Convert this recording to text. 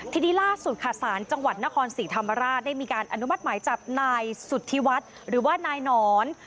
ทีนี้ล่าสุดค่ะสารจังหวัดนครศรีธรรมราชได้มีการอนุมัติหมายจับนายสุธิวัฒน์หรือว่านายหนอน